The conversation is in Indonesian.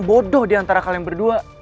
sedoh diantara kalian berdua